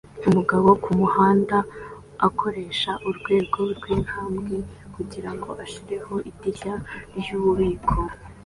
Umugabo kumuhanda akoresha urwego rwintambwe kugirango ashyireho idirishya ryububiko